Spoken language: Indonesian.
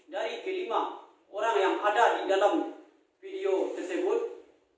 dari kelima orang yang ada di dalam video tersebut